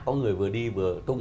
có người vừa đi vừa tung